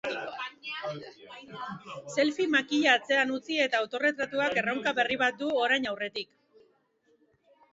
Selfie makila atzean utzi eta autorretratuak erronka berri bat du orain aurretik.